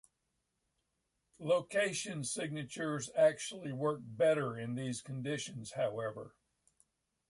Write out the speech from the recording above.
Location signatures actually work "better" in these conditions however.